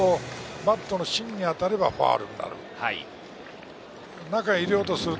バットの芯に当たればファウルになる。